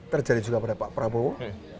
terjadi juga pada pak prabowo